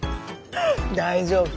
大丈夫。